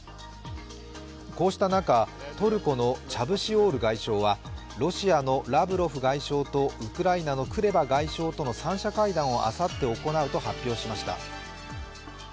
こうした中トルコのチャブシオール外相はロシアのラブロフ外相とウクライナのクレバ外相との三者会談をあさって行うと発表しました。